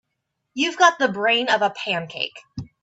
You've got the brain of a pancake.